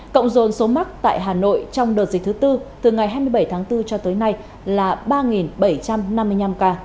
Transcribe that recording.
cộng dồn số mắc tại hà nội trong đợt dịch thứ tư từ ngày hai mươi bảy tháng bốn cho tới nay là ba bảy trăm năm mươi năm ca